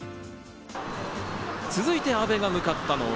続いて阿部が向かったのは。